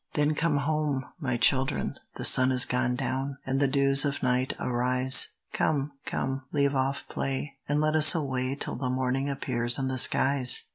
"Then come home, my children, the sun is gone down, And the dews of night arise; Come, come, leave off play, and let us away Till the morning appears in the skies."